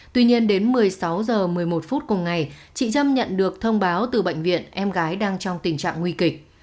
tuy nhiên đến một mươi sáu h một mươi một phút cùng ngày chị trâm nhận được thông báo từ bệnh viện em gái đang trong tình trạng nguy kịch